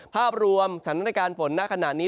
ภาพรวมสถานการณ์ฝนณขณะนี้